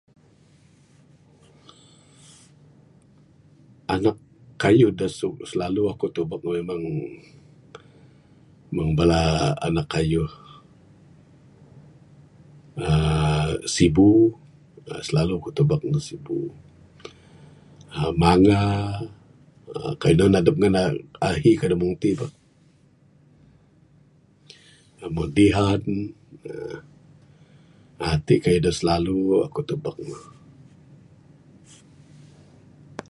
Anak kayuh da suk ... slalu aku tebek ne meng, meng bala anak kayuh aaa sibu aaa silalu ku tebek ne sibu. aaa mangga aaa kayuh adep mina ahi kayuh da meng ti meng dihan aaa ti kayuh da slalu aku tebek ne.